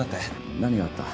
何があった？